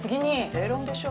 正論でしょ？